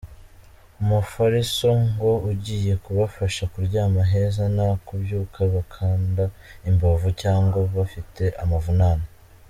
Umufariso ngo ugiye kubafasha kuryama heza nta kubyuka bakanda imbavu cyangwa bafite amavunane.